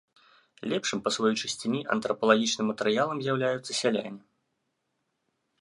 Лепшым па сваёй чысціні антрапалагічным матэрыялам з'яўляюцца сяляне.